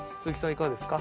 いかがですか？